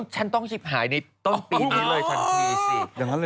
ฉันต้องชิบหายในต้นปีนี้เลยทันทีสิ